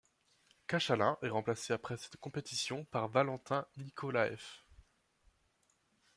Kachalin est remplacé après cette compétition par Valentin Nikolaev.